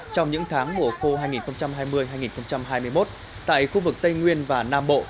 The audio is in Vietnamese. trong những tháng mùa khô hai nghìn hai mươi hai nghìn hai mươi một tại khu vực tây nguyên và nam bộ